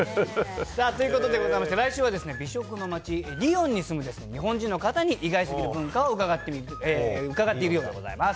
さあ、ということでございましてね、来週は美食の街、リヨンに住む日本人の方に、意外すぎる文化を伺っているようでございます。